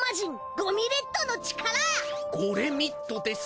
ゴレミッドです！